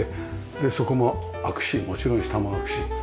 でそこも開くしもちろん下も開くし。